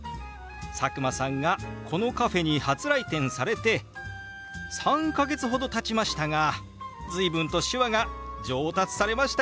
佐久間さんがこのカフェに初来店されて３か月ほどたちましたが随分と手話が上達されましたよね！